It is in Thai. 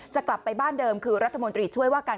กลับไปบ้านเดิมคือรัฐมนตรีช่วยว่าการ